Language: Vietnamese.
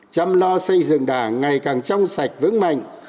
chăm lo xây dựng đảng ngày càng trong sạch vững mạnh